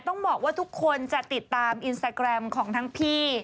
ต้องบอกว่าทุกคนจะติดตามอินสตาแกรมของทั้งพี่